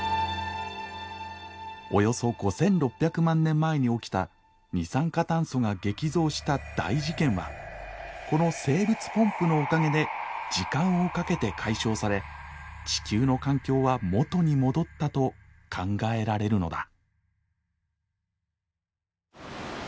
およそ５，６００万年前に起きた二酸化炭素が激増した大事件はこの生物ポンプのおかげで時間をかけて解消され地球の環境は元に戻ったと考えられるのだ。